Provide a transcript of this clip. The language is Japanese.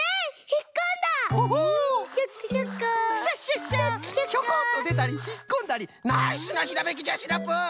ひょこっとでたりひっこんだりナイスなひらめきじゃシナプー！